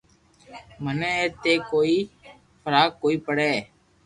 مني اي تي ڪوئي فراڪ ڪوئي پڙي